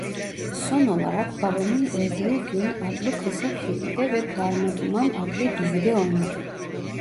Son olarak "Babamın Öldüğü Gün" adlı kısa filmde ve "Darmaduman" adlı dizide oynadı.